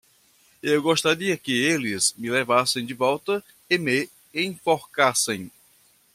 Eu gostaria que eles me levassem de volta e me enforcassem.